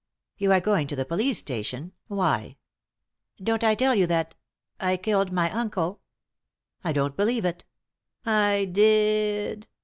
" You are going to the police station ? Why t" "Don't I tell you that— I killed my uncle." " I don't believe it" "I did!"